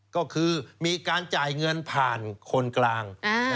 ก็คือมีการจ่ายเงินผ่านคนกลาง